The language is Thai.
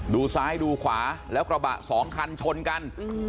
ดูซ้ายดูขวาแล้วกระบะสองคันชนกัน